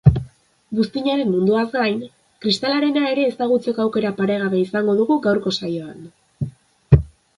Buztinaren munduaz gain, kristalarena ere ezagutzeko aukera paregabea izango dugu gaurko saioan.